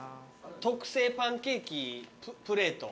特製パンケーキプレート。